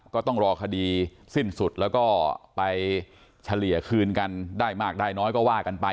ก็ต้องรอคดีสิ้นสุดแล้วก็ไปเฉลี่ยคืนกันได้มากได้น้อยก็ว่ากันไป